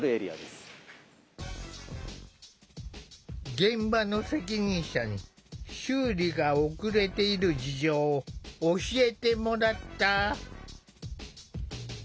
現場の責任者に修理が遅れている事情を教えてもらった。